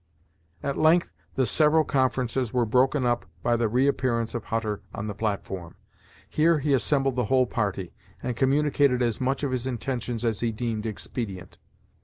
At length the several conferences were broken up by the reappearance of Hutter on the platform. Here he assembled the whole party, and communicated as much of his intentions as he deemed expedient.